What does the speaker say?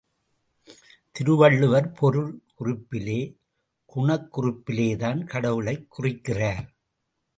திருவள்ளுவர் பொருள் குறிப்பிலே, குணக்குறிப்பிலேதான் கடவுளைக் குறிக்கிறார்.